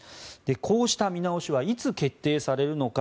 こうした見直しはいつ決定されるのか。